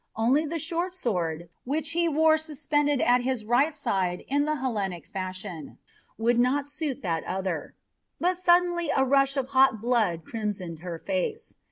Only the short sword, which he wore suspended at his right side in the Hellenic fashion, would not suit that other; but suddenly a rush of hot blood crimsoned her face.